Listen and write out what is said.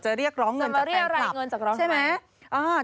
จะเรียกร้องเงินจากแฟนคลับใช่ไหมสำหรับเรียกร้องเงินจากร้องเงิน